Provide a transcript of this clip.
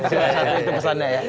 salah satu itu pesannya ya